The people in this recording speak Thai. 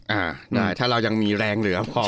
อ่าได้ถ้าเรายังมีแรงเหลือพอ